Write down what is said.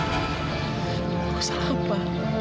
aku salah apa